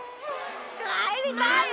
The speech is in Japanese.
帰りたいよ！